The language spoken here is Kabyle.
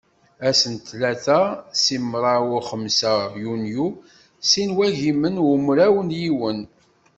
Ass n ttlata sin mraw u xemsa yunyu sin n wagimen u mraw yiwen.